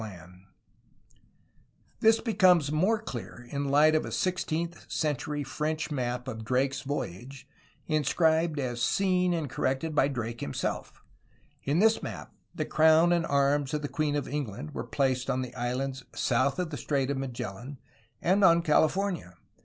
110 A HISTORY OF CALIFORNIA This becomes the more clear in the Ught of a sixteenth century French map of Drake's voyage, inscribed as seen and corrected by Drake himself. In this map the crown and arms of the queen of England were placed on the islands south of the Strait of Magellan and on California.